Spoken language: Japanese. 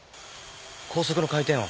高速の回転音。